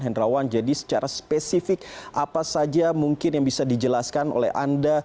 hendrawan jadi secara spesifik apa saja mungkin yang bisa dijelaskan oleh anda